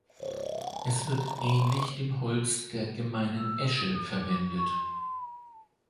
Es wird ähnlich dem Holz der Gemeinen Esche verwendet.